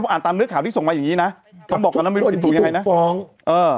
อ่านตามเนื้อข่าวที่ส่งมาอย่างงี้นะเขาบอกตอนนั้นไม่รู้ผิดถูกยังไงนะฟ้องเออ